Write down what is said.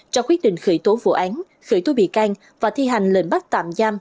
cho quyết định khởi tố vụ án khởi tố bị can và thi hành lệnh bắt tạm giam